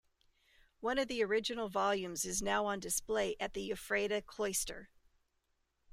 One of the original volumes is now on display at the Ephrata Cloister.